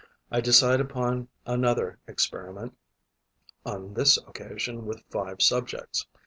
I decide upon another experiment, on this occasion with five subjects.